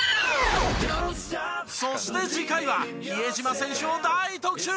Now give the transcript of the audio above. そして次回は比江島選手を大特集！